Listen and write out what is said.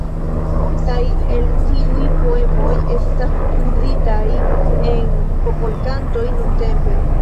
Multaj el tiuj poemoj estas uzitaj en popolkantoj nuntempe.